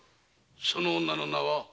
その女の名は。